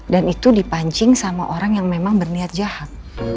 dan itu dipancing sama orang yang memang berniat jahat